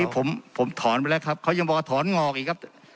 ผมถอนไปแล้วครับเขายังบอกว่าถอนงอกอีกครับ